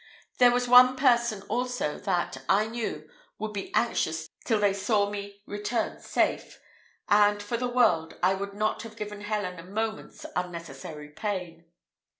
There was one person also that, I knew, would be anxious till they saw me return safe; and, for the world, I would not have given Helen a moment's unnecessary pain.